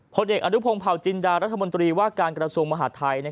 ผลเอกอนุพงศ์เผาจินดารัฐมนตรีว่าการกระทรวงมหาดไทย